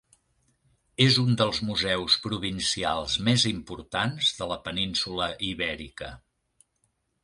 És un dels museus provincials més importants de la península Ibèrica.